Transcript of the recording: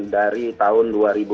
dari tahun dua ribu dua puluh